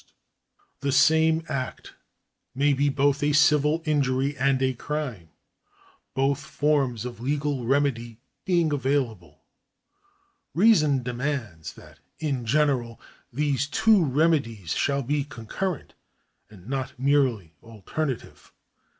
72 THE ADMINISTRATION OF JUSTICE [§27 The same act may be both a civil injury and a crime, both forms of legal remedy being available. Reason demands that in general these two remedies shall be concurrent, and not merely alternative.